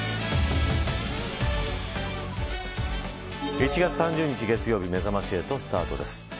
１月３０日、月曜日めざまし８、スタートです。